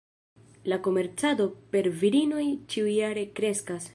La komercado per virinoj ĉiujare kreskas.